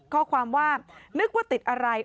ข้อความว่านึกว่าติดอะไร